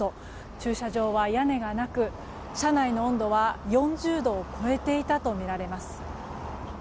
駐車場は屋根がなく車内の温度は４０度を超えていたとみられます。